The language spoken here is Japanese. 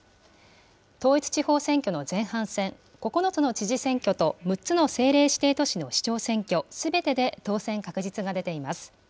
統一地方選挙の前半戦、９つの知事選挙と、６つの政令指定都市の市長選挙、すべてで当選確実が出ています。